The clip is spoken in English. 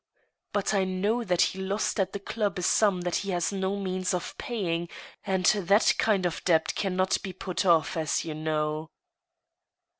But I know that he lost at the club a sum that he has no medns of paying, and that kind of debt can not be put off, as you know."